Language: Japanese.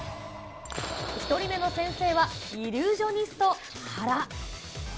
１人目の先生は、イリュージョニスト、ハラ。